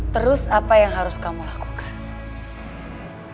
terus apa yang harus kamu lakukan